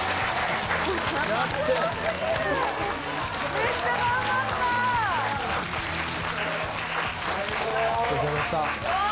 めっちゃ頑張った！